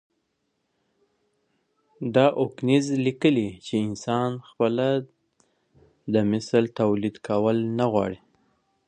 ډاوکېنز ليکلي چې انسان خپله د مثل توليد کول نه غواړي.